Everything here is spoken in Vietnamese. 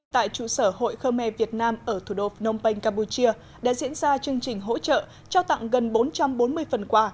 tại trụ sở hội khơ me việt nam ở thủ đô phnom penh campuchia đã diễn ra chương trình hỗ trợ trao tặng gần bốn trăm bốn mươi phần quà